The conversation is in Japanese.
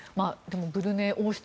ブルネイ王室